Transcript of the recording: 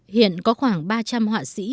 hiện có khoảng ba trăm linh họa sĩ